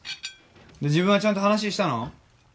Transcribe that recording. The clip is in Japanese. で自分はちゃんと話したの？